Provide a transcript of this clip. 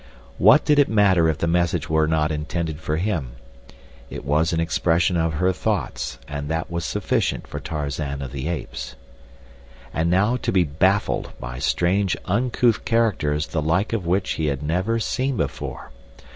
What did it matter if the message were not intended for him? It was an expression of her thoughts, and that was sufficient for Tarzan of the Apes. And now to be baffled by strange, uncouth characters the like of which he had never seen before!